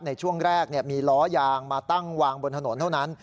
ในช่วงแรกมีล้อยางมาตั้งวางบนถนนเท่านั้น